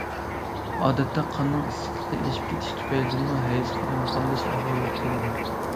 ئادەتتە قاننىڭ ئىسسىقلىقى ئېشىپ كېتىش تۈپەيلىدىنمۇ ھەيز قالايمىقانلىشىش ئەھۋاللىرى كۆرۈلىدۇ.